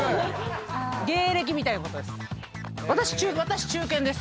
芸歴みたいなことです。